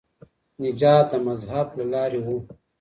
نجات د مذهب له لاري و.